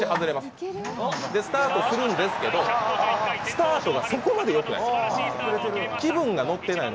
スタートするんですけどスタートがそこまでよくない。